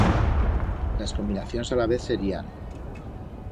Las combinacions alavez serían